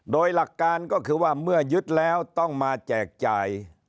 โดยหลักการก็คือว่าเมื่อยึดแล้วต้องมาแจกจ่าย